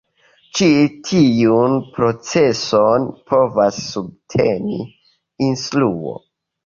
Ĉi tiun proceson povas subteni instruo.